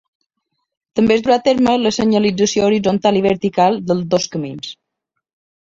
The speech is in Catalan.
També es durà a terme la senyalització horitzontal i vertical dels dos camins.